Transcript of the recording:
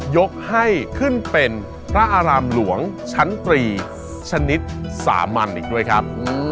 ยกให้ขึ้นเป็นพระอารามหลวงชั้นตรีชนิดสามัญอีกด้วยครับ